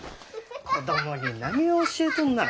子供に何ゅう教えとんなら。